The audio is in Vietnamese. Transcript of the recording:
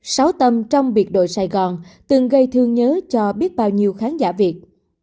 sáu tâm trong biệt đội sài gòn từng gây thương nhớ cho biết bao nhiêu khán giả việt